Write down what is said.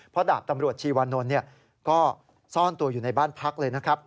เพราะดาบตำรวจชีวานนท์ก็ซ่อนตัวอยู่ในบ้านพักเลยนะครับ